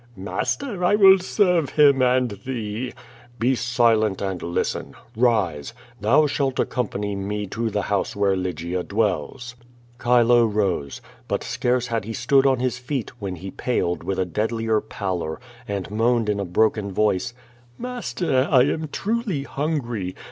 ^' '^Master, I will serve Him and thee.^' "Be silent and listen. Rise! Thou slialt accompany me to the house where Lygia dwells." Chilo rose. But scarce had he stood on his feet, when he paled with a deadlier pallor, and moaned in a broken voice: "Master, I am truly hungry.